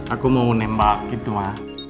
aku mau nembak gitu mah